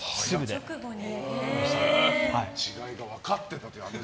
違いが分かってたと。